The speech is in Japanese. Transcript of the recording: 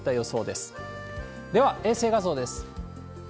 では、衛星画像です。